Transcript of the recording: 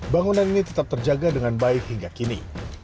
bangunan ini tetap terjaga dengan baik hingga kini